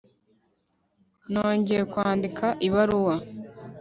Nongeye kwandika ibaruwa